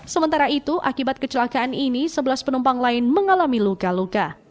sementara itu akibat kecelakaan ini sebelas penumpang lain mengalami luka luka